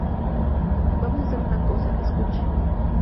vamos a hacer una cosa. escuche.